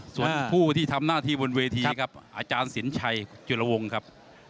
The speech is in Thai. ส่วนผู้ที่ทำหน้าที่บนเวทีครับอาจารย์สินชัยจุลวงครับ